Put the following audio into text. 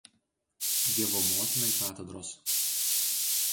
Dievo Motinai katedros.